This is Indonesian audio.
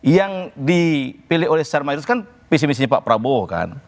yang dipilih oleh secara mahal itu kan pesimisinya pak prabowo kan